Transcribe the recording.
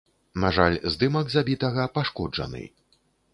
На жаль, здымак забітага пашкоджаны.